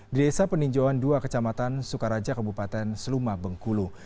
di desa peninjauan dua kecamatan sukaraja kabupaten seluma bengkulu